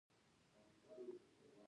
ازادي راډیو د سوداګري وضعیت انځور کړی.